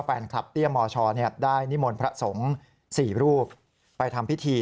แฟนคลับเตี้ยมมชเนี่ยได้นิมนต์พระสงค์๔รูปไปทำพิธี